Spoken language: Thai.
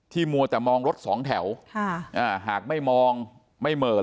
มัวแต่มองรถสองแถวหากไม่มองไม่เหม่อ